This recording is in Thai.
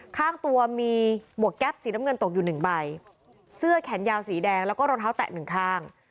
ข้างตัวมีหมวกแก๊ปสีน้ำเงินตกอยู่หนึ่งใบเสื้อแขนยาวสีแดงแล้วก็รองเท้าแตะหนึ่งข้าง